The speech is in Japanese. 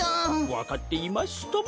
わかっていますとも！